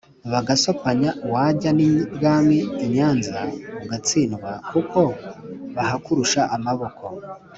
bagasopanya wajya n' i bwami i nyanza ugatsindwa kuko bahakurusha amaboko.